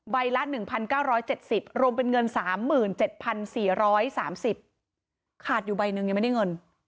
ละ๑๙๗๐รวมเป็นเงิน๓๗๔๓๐ขาดอยู่ใบหนึ่งยังไม่ได้เงิน